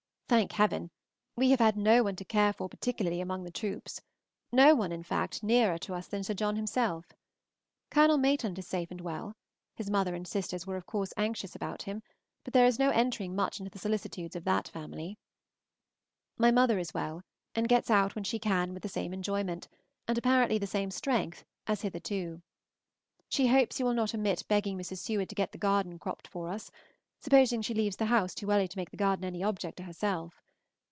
Thank heaven! we have had no one to care for particularly among the troops, no one, in fact, nearer to us than Sir John himself. Col. Maitland is safe and well; his mother and sisters were of course anxious about him, but there is no entering much into the solicitudes of that family. My mother is well, and gets out when she can with the same enjoyment, and apparently the same strength, as hitherto. She hopes you will not omit begging Mrs. Seward to get the garden cropped for us, supposing she leaves the house too early to make the garden any object to herself.